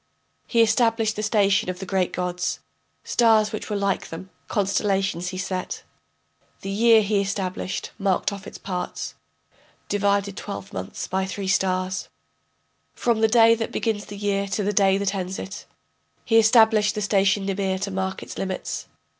He established the station of the great gods, Stars which were like them, constellations he set, The year he established, marked off its parts, Divided twelve months by three stars, From the day that begins the year to the day that ends it He established the station Nibir to mark its limits.